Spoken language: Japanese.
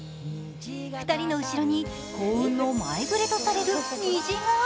２人の後ろに幸運の前触れととれる虹が。